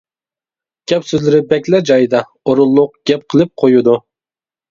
گەپ سۆزلىرى بەكلا جايىدا، ئورۇنلۇق گەپ قىلىپ قويىدۇ.